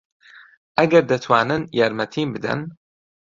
ئەگەر دەتوانن یارمەتیم بدەن.